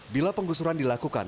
bila penggusuran dilakukan